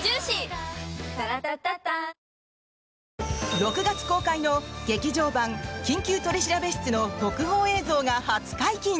６月公開の劇場版「緊急取調室」の特報映像が初解禁。